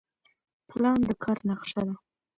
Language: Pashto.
پلان د کار نقشه ده